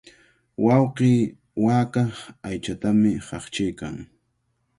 Wawqii waaka aychatami haqchiykan.